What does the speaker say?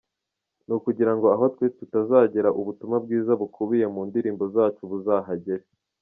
Ni ukugira ngo aho twe tutazagera ubutumwa bwiza bukubiye mu ndirimbo zacu buzahagere.